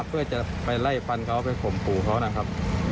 เพื่อจะไปไล่ฟันเขาไปข่มขู่เขานะครับ